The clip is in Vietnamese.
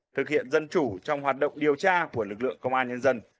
thực hiện dân chủ trong hoạt động điều tra của lực lượng công an nhân dân